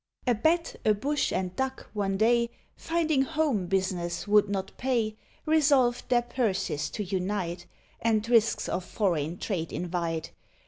A Bat, a Bush, and Duck, one day, Finding home business would not pay, Resolved their purses to unite, And risks of foreign trade invite.